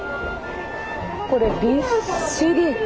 これびっしり茶畑。